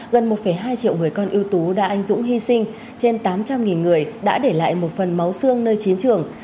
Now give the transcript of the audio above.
gần một hai triệu người con ưu tú đã anh dũng hy sinh trên tám trăm linh người đã để lại một phần máu xương nơi chiến trường